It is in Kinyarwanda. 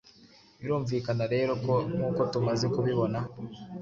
Birumvikana rero ko...Nk’uko tumaze kubibona...